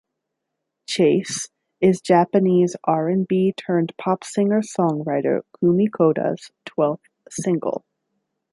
"Chase" is Japanese R and B-turned-pop singer-songwriter Kumi Koda's twelfth single.